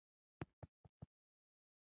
دا د حساسې مقطعې پر وړاندې چلند په ګوته کوي.